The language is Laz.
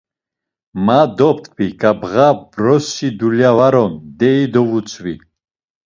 Ma dop̌t̆ǩvi ǩabğa vrosi dulya var on, deyi dovutzvi.